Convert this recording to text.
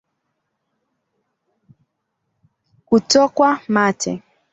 Kutokwa mate